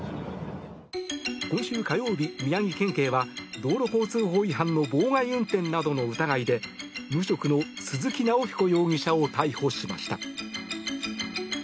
今週火曜日、宮城県警は道路交通法違反の妨害運転などの疑いで無職の鈴木尚彦容疑者を逮捕しました。